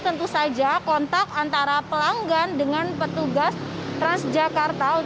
tentu saja kontak antara pelanggan dengan petugas transjakarta